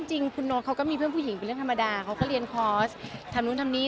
จริงคุณโน๊ตเขาก็มีเพื่อนผู้หญิงเป็นเรื่องธรรมดาเขาก็เรียนคอร์สทำนู่นทำนี่